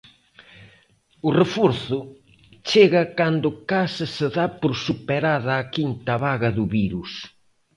O reforzo chega cando case se dá por superada a quinta vaga do virus.